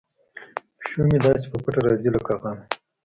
پیشو مې داسې په پټه راځي لکه غل.